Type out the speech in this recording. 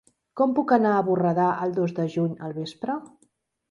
Com puc anar a Borredà el dos de juny al vespre?